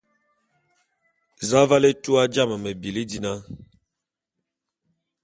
Za aval étua jame me bili dina?